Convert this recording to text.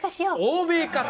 欧米か！